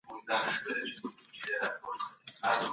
د خپلې خوښې موضوع په اړه معلومات راټول کړئ.